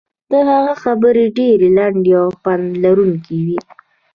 د هغه خبرې ډېرې لنډې او پند لرونکې وې.